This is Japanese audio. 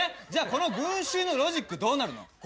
この群集のロジックどうなるの？